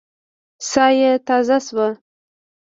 ساه يې تازه شوه.